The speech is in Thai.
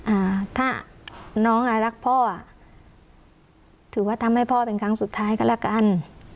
อ่าถ้าน้องอ่ะรักพ่ออ่ะถือว่าทำให้พ่อเป็นครั้งสุดท้ายก็แล้วกัน